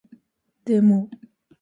でも